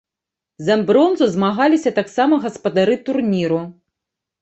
За бронзу змагаліся таксама гаспадары турніру.